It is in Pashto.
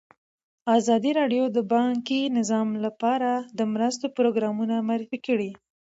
ازادي راډیو د بانکي نظام لپاره د مرستو پروګرامونه معرفي کړي.